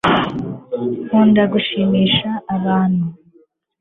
nkunda gushimisha abantu